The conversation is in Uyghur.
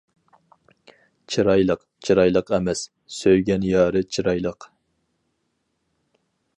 چىرايلىق، چىرايلىق ئەمەس، سۆيگەن يارى چىرايلىق.